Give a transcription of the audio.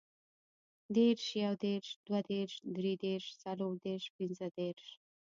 دېرش, یودېرش, دودېرش, دریدېرش, څلوردېرش, پنځهدېرش